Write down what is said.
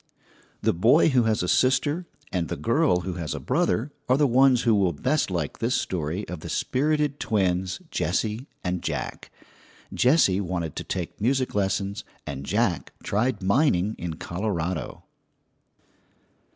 The boy who has a sister and the girl who has a brother are the ones who will best like this story of the spirited twins, Jessie and Jack. Jessie wanted to take music lessons and Jack tried mining in Colorado.